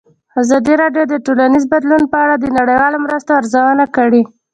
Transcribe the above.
ازادي راډیو د ټولنیز بدلون په اړه د نړیوالو مرستو ارزونه کړې.